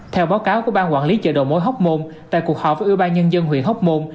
theo báo cáo của bang quản lý chợ đồ mối hóc môn tại cuộc họp với ưu ba nhân dân huyện hóc môn